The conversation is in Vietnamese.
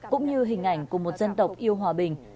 cũng như hình ảnh của một dân tộc yêu hòa bình